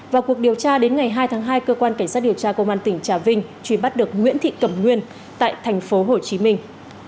vào cuộc điều tra đến ngày hai tháng hai cơ quan cảnh sát điều tra công an tỉnh trà vinh truy bắt được nguyễn thị cẩm nguyên tại thành phố hồ chí minh